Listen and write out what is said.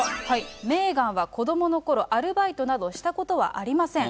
メーガンは子どものころ、アルバイトなどしたことはありません。